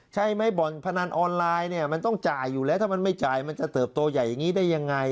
ใช่ไหมบ่อนพนันออนไลน์เนี่ยมันต้องจ่ายอยู่แล้วถ้ามันไม่จ่ายมันจะเติบโตใหญ่อย่างนี้ได้ยังไง